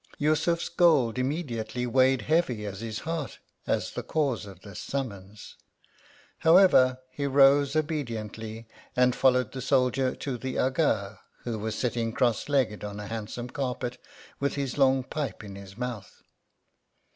Yussufs gold immediately weighed heavy at his heart, as the cause of this summons ; however, he arose obediently, and followed the soldier to the Aga, who was sitting cross legged on a handsome carpet, with his long pipe in his mouth.